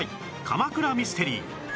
鎌倉ミステリー